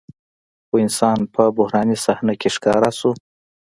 خو انسان په بحراني صحنه کې ښکاره شو.